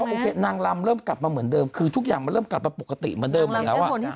ออกทีแล้วไม่ใช่นิดนึง